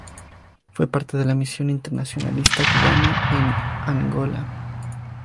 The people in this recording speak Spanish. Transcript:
Fue parte de la misión internacionalista cubana en Angola.